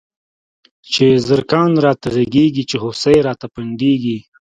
چی زرکان راته غږيږی، چی هوسۍ راته پنډيږی